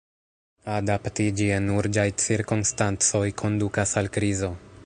Adaptiĝi en urĝaj cirkonstancoj kondukas al krizo.